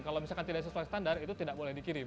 kalau misalkan tidak sesuai standar itu tidak boleh dikirim